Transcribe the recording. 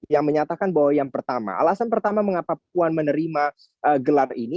yang menyatakan bahwa yang pertama alasan mengapa erschali ragu ini adalah karena